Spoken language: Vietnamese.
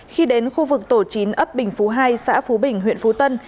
khi đến khu vực tổ chín ấp bình phú hai xã phú bình huyện phú tân